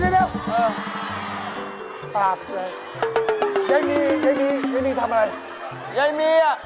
เดี๋ยว